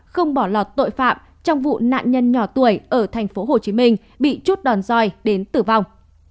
không bỏ lọt tội phạm trong vụ nạn nhân nhỏ tuổi ở tp hcm bị chốt đòn roi đến tử vong